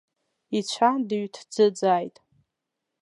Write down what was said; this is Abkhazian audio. Ицәа дыҩҭӡыӡааит.